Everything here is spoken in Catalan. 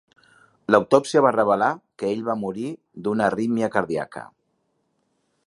L"autòpsia va revelar que ell va morir d"una arítmia cardíaca.